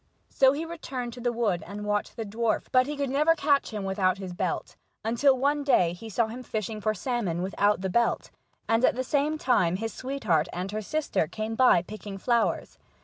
So he returned to the wood and watched the dwarf, but he could never catch him without his belt, until one day he saw him fishing for salmon without the belt, and at the same time his sweetheart and her sister came by picking flowers.